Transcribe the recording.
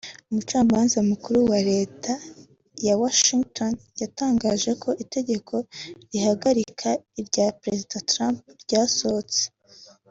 umucamanza mukuru wa Leta ya Washington yatangaje ko itegeko rihagarika irya Prezida Trump ryasohotse